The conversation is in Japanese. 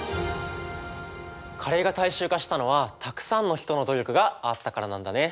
カレーが大衆化したのはたくさんの人の努力があったからなんだね。